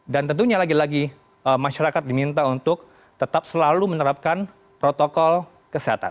dan tentunya lagi lagi masyarakat diminta untuk tetap selalu menerapkan protokol kesehatan